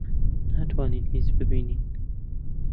ناتوانین هیچ ببینین.